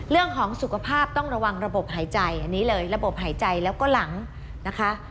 เรื่องของสุขภาพต้องระวังระบบหายใจอันนี้เลยระบบหายใจแล้วก็หลังนะคะ